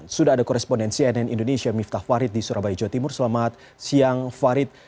sudah ada korespondensi nn indonesia miftah farid di surabaya jawa timur selamat siang farid